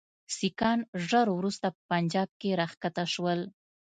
سیکهان ژر وروسته په پنجاب کې را کښته شول.